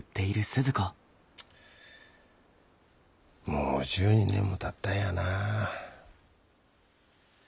もう１２年もたったんやなあ。